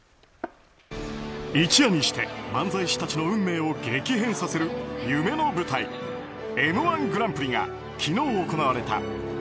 一夜にして漫才師たちの運命を激変させる夢の舞台「Ｍ‐１グランプリ」が昨日、行われた。